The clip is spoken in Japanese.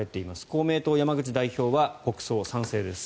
公明党、山口代表は国葬、賛成です。